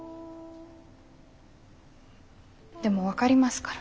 でも分かりますから。